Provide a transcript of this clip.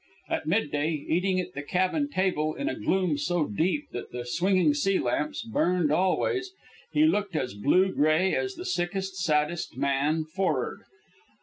At midday, eating at the cabin table in a gloom so deep that the swinging sea lamps burned always, he looked as blue gray as the sickest, saddest man for'ard.